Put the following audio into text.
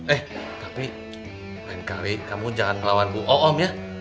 eh tapi lain kali kamu jangan melawan bu oom ya